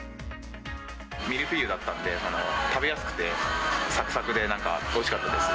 ミルフィーユだったんで、食べやすくて、さくさくで、なんかおいしかったです。